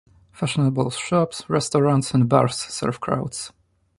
Fashionable shops, restaurants and bars serve crowds.